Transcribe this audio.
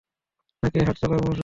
নাকি হাঁটাচলায় মশগুল?